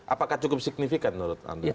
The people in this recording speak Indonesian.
apakah cukup signifikan menurut anda